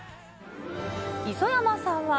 磯山さんは。